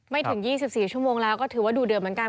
ถึง๒๔ชั่วโมงแล้วก็ถือว่าดูเดือดเหมือนกัน